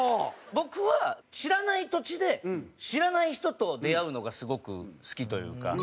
僕は知らない土地で知らない人と出会うのがすごく好きというか。